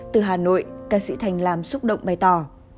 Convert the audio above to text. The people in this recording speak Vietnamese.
từ hà nội ca sĩ thành làm xúc động bày tỏ